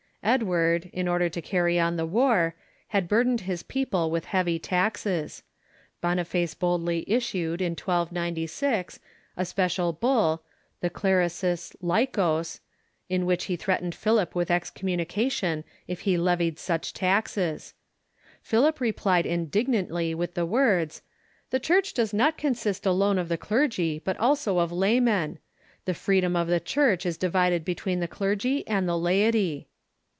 Edward, in order to carry on the war, had burdened his people with heavy taxes. Boniface boldly issued, in 1296, a special Bull, the Clericis Laicos, in which he threatened Philip with excommunication if he levied such taxes. Philip replied indignantly with the words :" The Church does not consist alone of the clergy, but also of lay men ; the freedom of the Church is divided between the clergy and the laity."